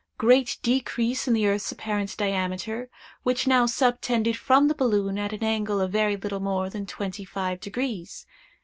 Great decrease in the earth's apparent diameter, which now subtended from the balloon an angle of very little more than twenty five degrees.